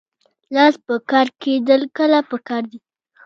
لاس په کار کیدل کله پکار دي؟